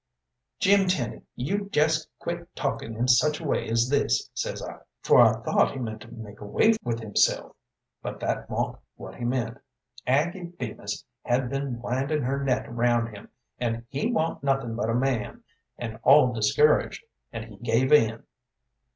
"'Jim Tenny, you jest quit talkin' in such a way as this,' says I, for I thought he meant to make away with himself, but that wa'n't what he meant. Aggie Bemis had been windin' her net round him, and he wa'n't nothin' but a man, and all discouraged, and he gave in.